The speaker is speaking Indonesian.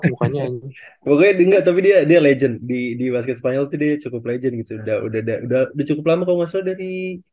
pokoknya dia legend di basket spanyol dia cukup legend udah udah udah udah udah cukup lama kalau gak salah dari